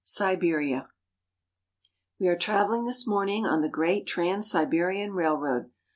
SIBERIA WE are traveling this morning on the great Trans Siberian Railroad.